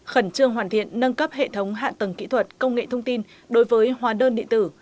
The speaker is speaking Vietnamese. khẩn trương hoàn thiện nâng cấp hệ thống hạ tầng kỹ thuật công nghệ thông tin đối với hóa đơn điện tử